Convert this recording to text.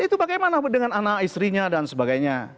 itu bagaimana dengan anak istrinya dan sebagainya